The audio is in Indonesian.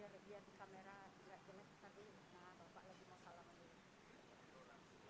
dimacheng pilihan adalah